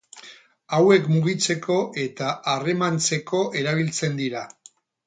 Hauek mugitzeko eta harremantzeko erabiltzen dira.